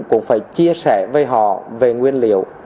cũng phải chia sẻ với họ về nguyên liệu